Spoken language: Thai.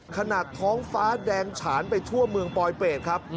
ท้องฟ้าแดงฉานไปทั่วเมืองปลอยเป็ดครับ